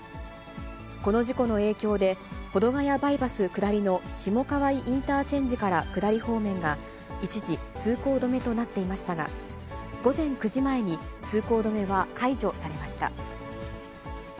この事故の影響で、保土ヶ谷バイパス下りの下川井インターチェンジから下り方面が一時通行止めとなっていましたが、午前９時前に通行止めは解除されました。